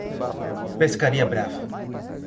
Pescaria Brava